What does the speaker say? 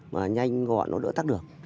mà nhanh gọn nó đỡ tắt được